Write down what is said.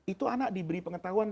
itu anak diberi pengetahuan